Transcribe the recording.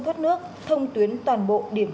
thoát nước thông tuyến toàn bộ điểm